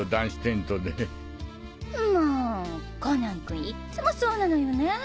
んもコナン君いっつもそうなのよねェ。